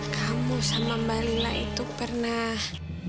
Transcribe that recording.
kamu sama mbak lila itu pernah